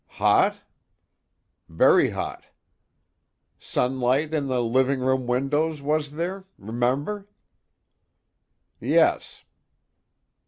"Hot?" "Very hot." "Sunlight in the living room windows, was there? Remember?" "Yes."